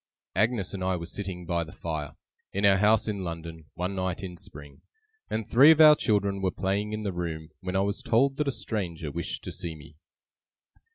Agnes and I were sitting by the fire, in our house in London, one night in spring, and three of our children were playing in the room, when I was told that a stranger wished to see me.